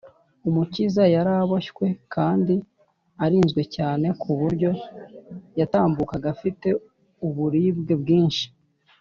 umukiza yari aboshywe kandi arinzwe cyane, ku buryo yatambukaga afite uburibwe bwinshi